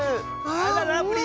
あらラブリー。